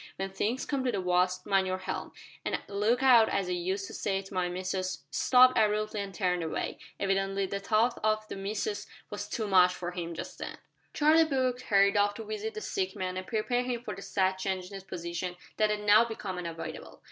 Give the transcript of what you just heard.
When things come to the wust mind your helm, an' look out as I used to say to my missus " He stopped abruptly and turned away. Evidently the thought of the "missus" was too much for him just then. Charlie Brooke hurried off to visit the sick man, and prepare him for the sad change in his position that had now become unavoidable.